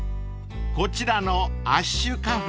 ［こちらの］